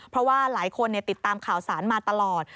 เพราะว่าหลายคนติดตามข่าวสารมาตลอด